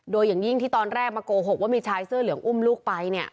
โดยอย่างยิ่งที่ตอนแรกมาโกหกว่ามีชายเสื้อเหลืองอุ้มลูกไปเนี่ย